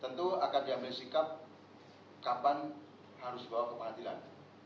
tentu akan diambil sikap kapan harus dibawa kepentilan